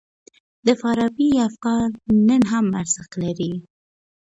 د فارابي افکار نن هم ارزښت لري.